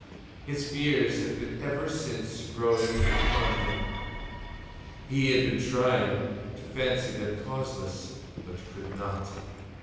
His fears had been ever since growing upon him. He had been trying to fancy them causeless, but could not.